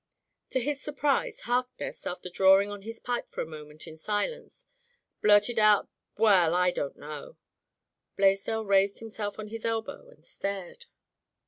To his surprise, Harkness, after drawing on his pipe for a moment in silence, blurted out, "Well, I don't know " Blaisdell raised himself on his elbow and stared.